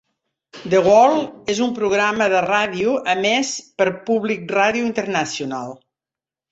"The World" és un programa de ràdio emès per Public Radio International.